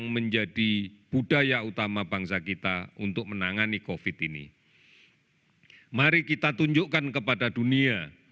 mari kita tunjukkan kepada dunia